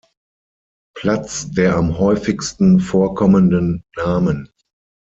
Platz der am häufigsten vorkommenden Namen.